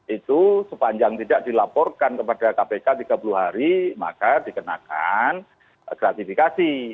itu sepanjang tidak dilaporkan kepada kpk tiga puluh hari maka dikenakan gratifikasi